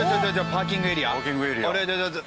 パーキングエリア。